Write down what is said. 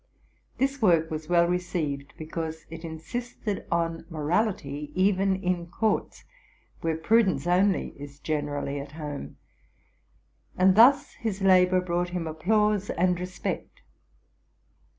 '' This work was well received, because it insisted on morality, even in courts, where prudence only is generally at home; and thus his labor brought him applause and respect.